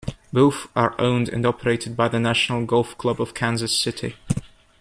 Both are owned and operated by the National Golf Club of Kansas City.